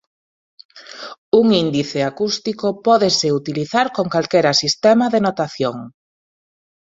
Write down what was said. Un índice acústico pódese utilizar con calquera sistema de notación.